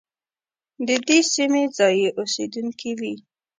د دې سیمې ځايي اوسېدونکي وي.